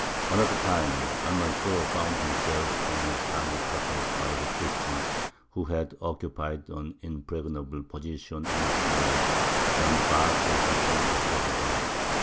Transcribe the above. Another time Almanzor found himself and his army cut off by the Christians, who had occupied an impregnable position in his rear, and barred his return to Cordova.